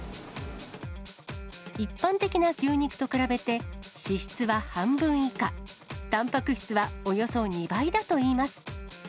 一般的な牛肉と比べて脂質は半分以下、たんぱく質はおよそ２倍だといいます。